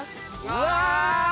うわ。